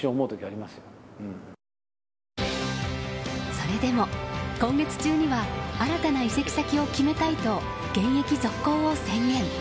それでも今月中には新たな移籍先を決めたいと、現役続行を宣言。